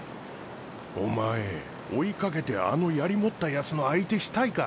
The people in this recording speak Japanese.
お前追いかけてあの槍持ったヤツの相手したいか？